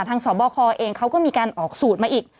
สบคเองเขาก็มีการออกสูตรมาอีก